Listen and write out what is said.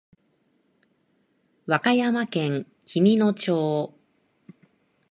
和歌山県紀美野町